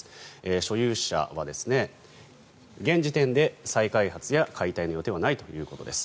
所有者は、現時点で再開発や解体の予定はないということです。